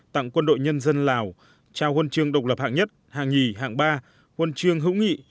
tặng quân đội nhân dân lào trao huân chương độc lập hạng nhất hạng nhì hạng ba huân chương hữu nghị